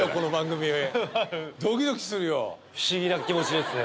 何か不思議な気持ちですね